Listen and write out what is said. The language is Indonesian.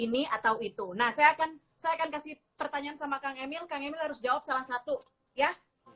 ini atau itu nah saya akan saya akan kasih pertanyaan sama kang emil kang emil harus jawab salah satu ya